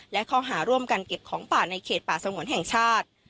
และข้อหาร่วมกันเก็บของป่าในเขตป่าสงวนแห่งชาติ